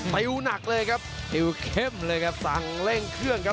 ติวหนักเลยครับติวเข้มเลยครับสั่งเร่งเครื่องครับ